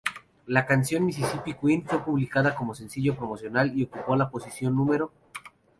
La canción "Mississippi Queen" fue publicada como sencillo promocional y ocupó la posición No.